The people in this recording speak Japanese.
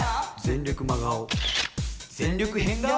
全力真顔！